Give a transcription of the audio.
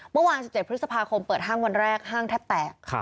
เมื่อวาน๑๗พฤษภาคมเปิดห้างวันแรกห้างแทบแตก